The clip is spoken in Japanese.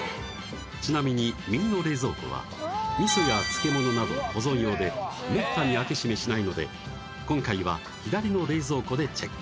ちなみに右の冷蔵庫は味や漬物など保存用でめったに開け閉めしないので今回は左の冷蔵庫でチェック